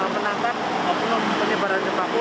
menangkap pelaku penebaran paku